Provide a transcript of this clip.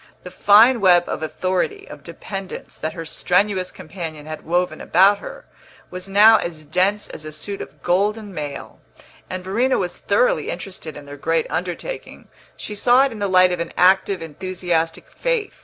The fine web of authority, of dependence, that her strenuous companion had woven about her, was now as dense as a suit of golden mail; and Verena was thoroughly interested in their great undertaking; she saw it in the light of an active, enthusiastic faith.